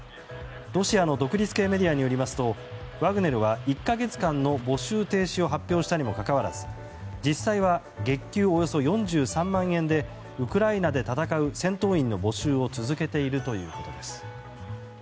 ロシアの独立系メディアによりますとワグネルは１か月間の募集停止を発表したにもかかわらず実際は、月給およそ４３万円でウクライナで戦う戦闘員の募集を続けているということです。